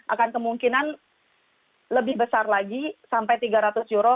akan kemungkinan lebih besar lagi sampai tiga ratus euro